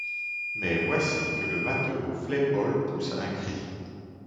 Mais voici que le matelot Flaypol pousse un cri.